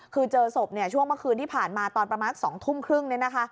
คือเจอศพช่วงเมื่อคืนที่ผ่านมาตอนประมาณ๒ทุ่มครึ่ง